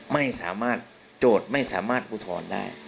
ไม่สามารถโจทย์ไม่สามารถอุทธรณ์ได้